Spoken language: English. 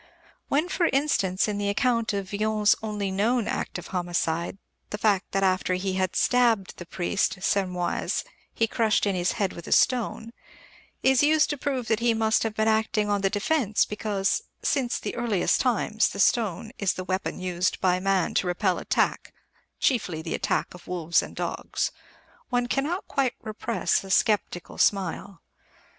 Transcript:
When, for instance, in the account of Villon's only known act of homicide, the fact that after he had stabbed the priest, Sermoise, he crushed in his head with a stone, is used to prove that he must have been acting on the defensive, because, "since the earliest times, the stone is the weapon used by man to repel attack chiefly the attack of wolves and dogs" one cannot quite repress a sceptical smile.